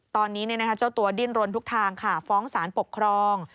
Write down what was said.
ตอนนี้เจ้าตัวดิ้นรนทุกทางค่ะฟ้องสารปกครอง